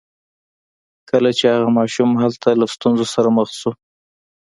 کله چې هغه ماشوم هلته له ستونزو سره مخ شو